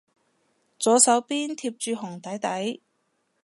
左手邊貼住紅底底